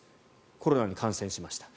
コロナに感染しました。